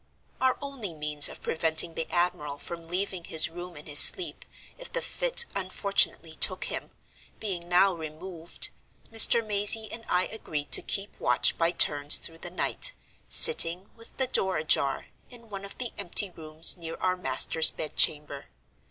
"Our only means of preventing the admiral from leaving his room in his sleep, if the fit unfortunately took him, being now removed, Mr. Mazey and I agreed to keep watch by turns through the night, sitting, with the door ajar, in one of the empty rooms near our master's bed chamber.